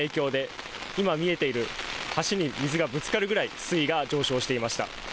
きのうは大雨の影響で、今見えている橋に水がぶつかるくらい水位が上昇していました。